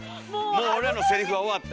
「もう俺らのセリフは終わった」。